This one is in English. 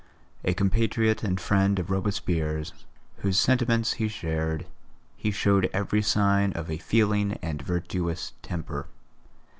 A compatriot and friend of Robespierre's, whose sentiments he shared, he showed every sign of a feeling and virtuous temper.